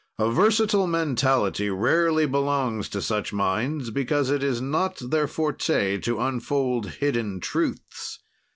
A versatile mentality rarely belongs to such minds, because it is not their forte to unfold hidden truths.